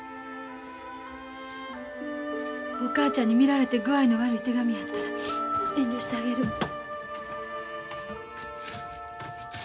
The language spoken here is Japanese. お母ちゃんに見られて具合の悪い手紙やったら遠慮してあげる。